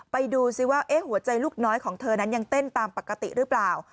ไปดูซิว่าหัวใจลูกน้อยของเธอนั้นยังเต้นตามปกติหรือเปล่า